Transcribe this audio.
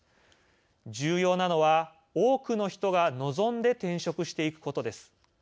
重要なのは、多くの人が望んで転職していくことです。